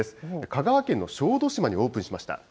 香川県の小豆島にオープンしました。